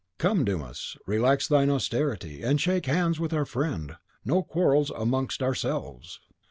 Come, Dumas relax thine austerity, and shake hands with our friend. No quarrels amongst ourselves!"